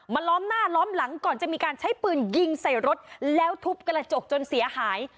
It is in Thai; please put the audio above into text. ล้อมหน้าล้อมหลังก่อนจะมีการใช้ปืนยิงใส่รถแล้วทุบกระจกจนเสียหาย